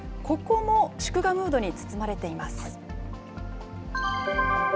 ここも祝賀ムードに包まれています。